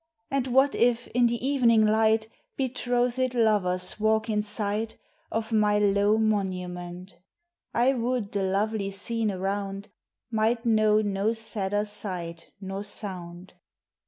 And what if, in the evening light, Betrothed lovers walk in sight Of my low monument ? I would the lovely scene around Might know no sadder sight nor sound.